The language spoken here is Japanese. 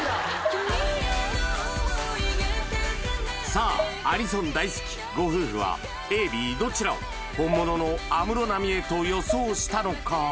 君への想いが高鳴ってさあアニソン大好きご夫婦はＡＢどちらを本物の安室奈美恵と予想したのか？